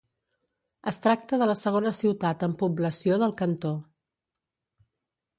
Es tracta de la segona ciutat en població del cantó.